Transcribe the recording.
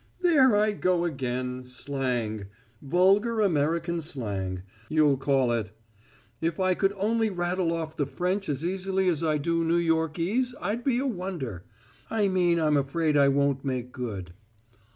"There I go again slang; 'vulgar American slang,' you'll call it. If I could only rattle off the French as easily as I do New Yorkese I'd be a wonder. I mean I'm afraid I won't make good."